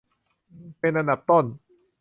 เป็นอันดับต้น